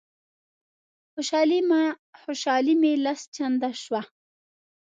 خوشالي مي لس چنده شوه.